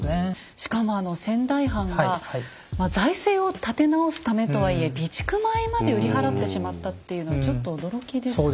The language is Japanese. しかも仙台藩が財政を立て直すためとはいえ備蓄米まで売り払ってしまったっていうのはちょっと驚きですね。